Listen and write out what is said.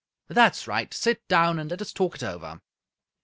That's right! Sit down, and let us talk it over."